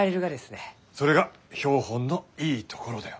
それが標本のいいところだよ。